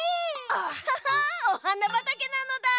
アハハッおはなばたけなのだ！